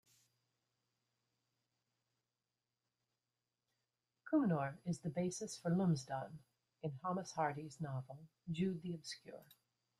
Cumnor is the basis for Lumsdon in Thomas Hardy's novel "Jude the Obscure".